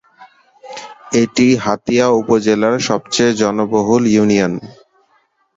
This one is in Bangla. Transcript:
এটি হাতিয়া উপজেলার সবচেয়ে জনবহুল ইউনিয়ন।